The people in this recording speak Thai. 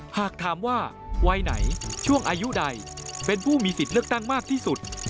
หากถามว่าวัยไหนช่วงอายุใดเป็นผู้มีสิทธิ์เลือกตั้งมากที่สุด